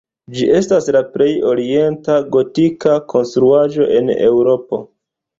Ĝi estas la plej orienta gotika konstruaĵo en Eŭropo.